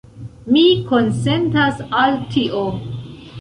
Mi konsentas al tio.